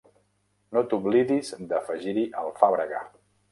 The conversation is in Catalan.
No t'oblidis d'afegir-hi alfàbrega.